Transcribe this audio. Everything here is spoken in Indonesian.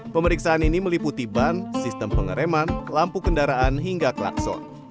pemeriksaan ini meliputi ban sistem pengereman lampu kendaraan hingga klakson